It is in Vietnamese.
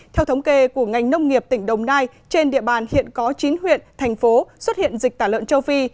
theo thống kê của ngành nông nghiệp tỉnh đồng nai trên địa bàn hiện có chín huyện thành phố xuất hiện dịch tả lợn châu phi